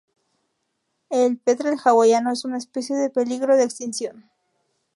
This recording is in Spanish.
El petrel hawaiano es una especie en peligro de extinción.